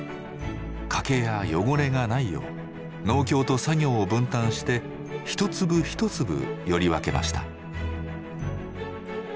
欠けや汚れがないよう農協と作業を分担して一粒一粒より分けました。